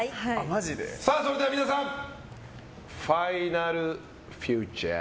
それでは皆さんファイナルフューチャー？